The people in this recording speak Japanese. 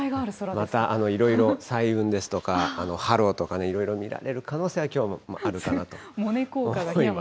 また、いろいろ彩雲ですとか、ハロとか、いろいろ見られる可能性は、きょうもあるかなと。